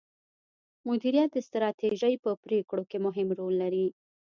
مديريت د ستراتیژۍ په پریکړو کې مهم رول لري.